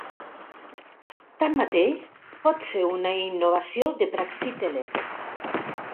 Tanmateix, pot ser una innovació de Praxíteles.